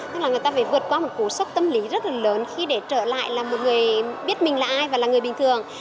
tức là người ta phải vượt qua một cú sốc tâm lý rất là lớn khi để trở lại là một người biết mình là ai và là người bình thường